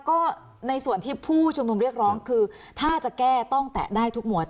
ก็ในส่วนที่ผู้ชุมนุมเรียกร้องคือถ้าจะแก้ต้องแตะได้ทุกหมวด